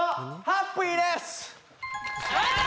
正解！